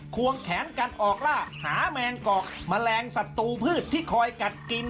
ควงแขนกันออกล่าหาแมงกอกแมลงศัตรูพืชที่คอยกัดกิน